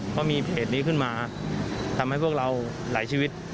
เพราะมีเพจนี้ขึ้นมาทำให้พวกเราหลายชีวิต